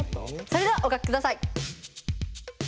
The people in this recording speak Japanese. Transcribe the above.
それではお書き下さい！